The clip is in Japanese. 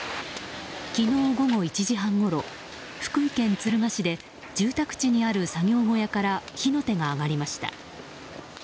昨日午後１時半ごろ福井県敦賀市で住宅地にある作業小屋から火の手が上がりました。